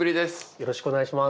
よろしくお願いします。